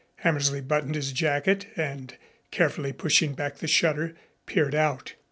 Hammersley buttoned his jacket and, carefully pushing back the shutter, peered out.